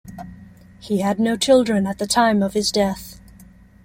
He had no children at the time of his death.